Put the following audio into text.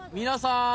皆さん！